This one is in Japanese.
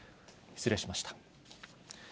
失礼しました。